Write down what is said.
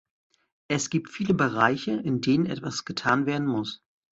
Es gibt viele Bereiche, in denen etwas getan werden muss.